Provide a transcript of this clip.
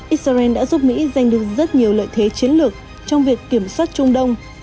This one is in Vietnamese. israel đã giúp mỹ giành được rất nhiều lợi thế chiến lược trong việc kiểm soát trung đông